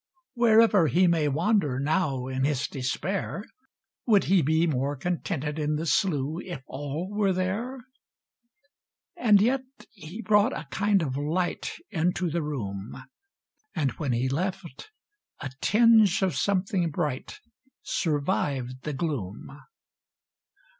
Wherever he may wander now In his despair. Would he be more contented in the slough If all were there? And yet he brought a kind of light Into the room; And when he left, a tinge of something bright Survived the gloom.